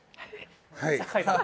はい。